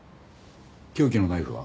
凶器のナイフは？